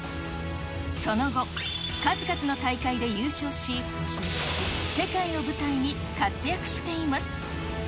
その後、数々の大会で優勝し、世界を舞台に活躍しています。